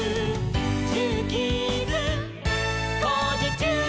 「ジューキーズ」「こうじちゅう！」